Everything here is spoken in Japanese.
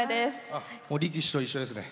あ力士と一緒ですね。